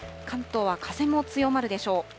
関東は風も強まるでしょう。